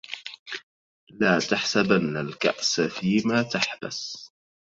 لا تحبسن الكأس فيما تحبس